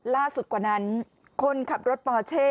ล่าสุดกว่านั้นคนขับรถปอเช่